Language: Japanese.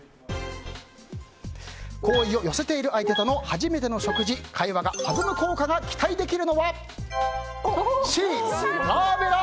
好意を寄せている相手との初めての食事会話が弾む効果が期待できるのはＣ、ガーベラ。